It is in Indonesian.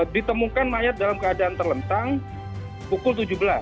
ditemukan mayat dalam keadaan terlentang pukul tujuh belas